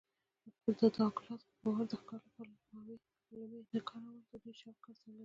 د ډاګلاس په باور د ښکار لپاره لومې نه کارول د دوی شوق څرګندوي